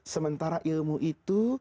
sementara ilmu itu